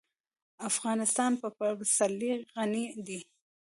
افغانستان په پسرلی غني دی.